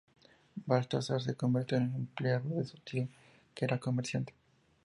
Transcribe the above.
Balthasar se convirtió en empleado de su tío, que era comerciante.